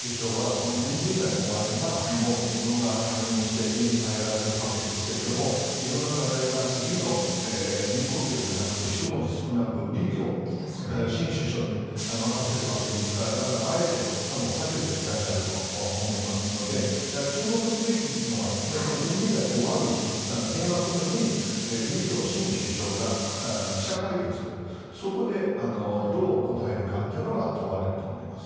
この全人代が終われば自分は退任して家に帰れるわけですけども色んな課題が次の李克強首相じゃなくて１文字少なく李強新首相に任せるわけですからあえて多分、避けてらっしゃると思いますので注目すべきなのが全人代が終わる日閉幕の日に李強新首相が記者会見するそこでどう答えるかというのが問われると思います。